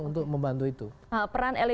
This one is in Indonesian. untuk membantu itu peran elit